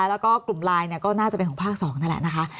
แล้วก็กลุ่มไลน์ก็น่าจะเป็นของภาค๒นั่นแหละนะคะ